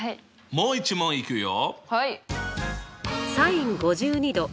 もう１問いくよ。